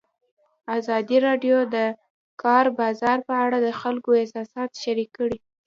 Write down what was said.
ازادي راډیو د د کار بازار په اړه د خلکو احساسات شریک کړي.